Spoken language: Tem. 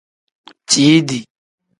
Ciidi.